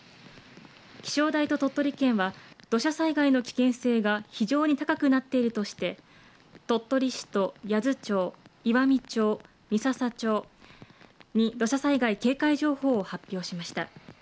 気象台と鳥取県は土砂災害の危険性が非常に高くなっているとして、鳥取市と八頭町、岩美町、三朝町に土砂災害警戒情報を発表しました。